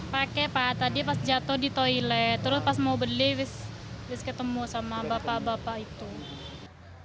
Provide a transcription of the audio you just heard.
pakai pak tadi pas jatuh di toilet terus pas mau berlis terus ketemu sama bapak bapak itu